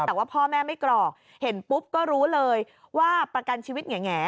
แต่ว่าพ่อแม่ไม่กรอกเห็นปุ๊บก็รู้เลยว่าประกันชีวิตแง่